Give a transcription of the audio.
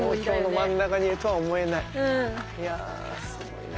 いやすごいな。